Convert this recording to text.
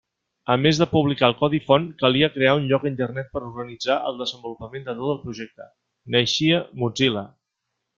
A més de publicar el codi font calia crear un lloc a Internet per organitzar el desenvolupament de tot el projecte: naixia Mozilla.